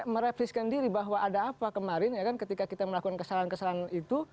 merefisikan diri bahwa ada apa kemarin ketika kita melakukan kesalahan kesalahan itu